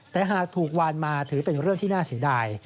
แต่หากถูกวานมาถือเป็นเรื่องที่น่าเสียดาย